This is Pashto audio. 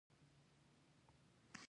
ژوند په اسلام ښکلی دی.